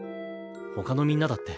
ほかのみんなだって。